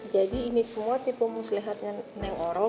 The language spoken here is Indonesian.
jadi ini semua tipu muslihatnya neng orok